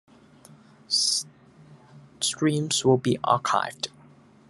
Streams will be archived.